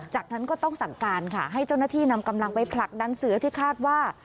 จากนั้นก็ต้องสั่งการค่ะให้เจ้าหน้าที่นำกำลังไปผลักดันเสือที่คาดว่า